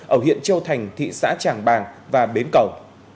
ở huyện châu thành thị xã tràng bàng và bến cầu